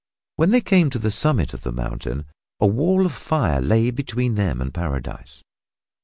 When they came to the summit of the mountain a wall of fire lay between them and Paradise.